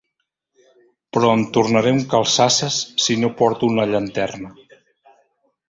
Però em tornaré un calçasses si no porto una llanterna.